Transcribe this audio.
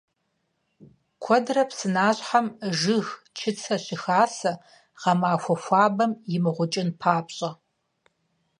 Куэдрэ псынащхьэм жыг, чыцэ щыхасэ, гъэмахуэ хуабэм имыгъукӀын папщӀэ.